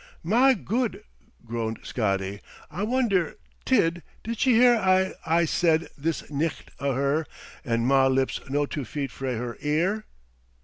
"Ma Gud," groaned Scotty. "I wonder, Tid, did she hear a' I said this nicht o' her, and ma lips no two feet frae her ear!"